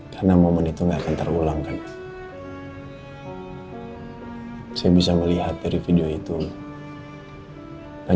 karena momen itu harus diabadikan